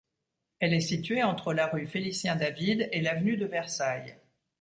Elle est située entre la rue Félicien-David et l'avenue de Versailles.